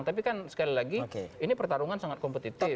tapi kan sekali lagi ini pertarungan sangat kompetitif